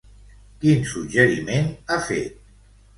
Quin suggeriment ha fet?